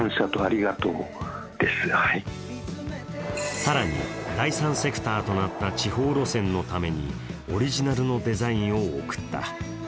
更に、第三セクターとなった地方路線のためにオリジナルのデザインを贈った。